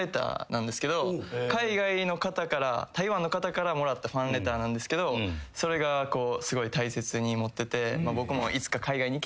海外の方から台湾の方からもらったファンレターなんですけどそれがすごい大切に持ってて僕も。